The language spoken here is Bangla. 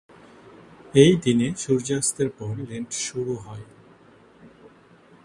এই দিনে সূর্যাস্তের পর লেন্ট শুরু হয়।